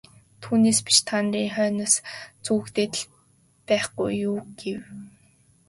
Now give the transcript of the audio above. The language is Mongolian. Түүнээс биш та нарын хойноос зүүгдээд л байхгүй юу гэв.